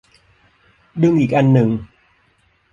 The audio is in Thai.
ดึงอีกอันหนึ่ง